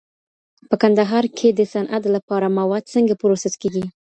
په کندهار کي د صنعت لپاره مواد څنګه پروسس کېږي؟